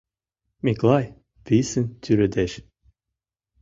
Миклай писын тӱредеш.